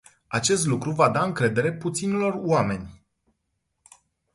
Acest lucru va da încredere puținor oameni.